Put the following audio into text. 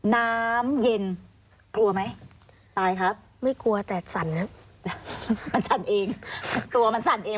น้ำเย็นกลัวไหมตายครับไม่กลัวแต่สั่นครับมันสั่นเองตัวมันสั่นเอง